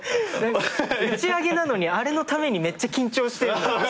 打ち上げなのにあれのためにめっちゃ緊張してんの。